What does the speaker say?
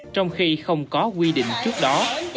trong khi không có quy định trước đó